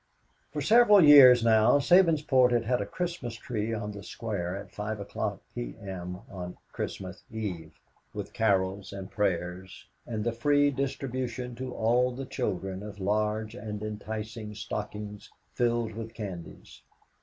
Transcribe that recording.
For several years now Sabinsport had had a Christmas tree on the square at five P. M. of Christmas eve, with carols and prayers and the free distribution to all the children of large and enticing stockings filled with candies.